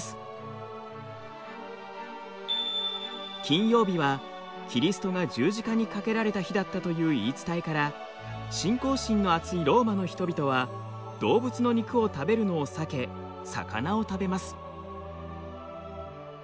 金曜日はキリストが十字架にかけられた日だったという言い伝えから信仰心のあついローマの人々は動物の肉を食べるのを避け魚を食べます。